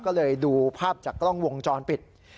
ก็เลยดูภาพจากกล้องวงจรปิด